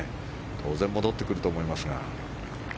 当然戻ってくると思いますが。